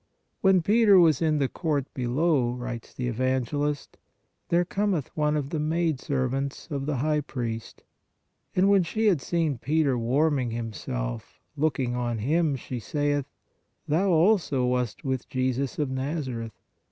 " When Peter was in the court below," writes the evangelist, 22 PRAYER " there cometh one of the maid servants of the high priest. And when she had seen Peter warming himself, looking on him she saith: Thou also wast with Jesus of Nazareth.